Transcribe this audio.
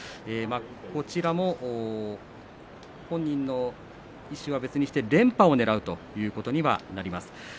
こちらも本人の意思は別にして連覇をねらうということにはなります。